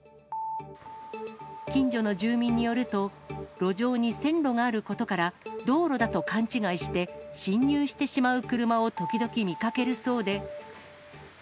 近所の住民によると、路上に線路があることから、道路だと勘違いして、進入してしまう車を時々見かけるそうで。